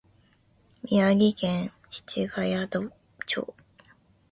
宮城県七ヶ宿町